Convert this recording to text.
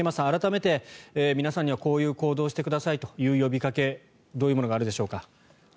改めて皆さんにはこういう行動をしてくださいという呼びかけどういうものがあるでしょうか。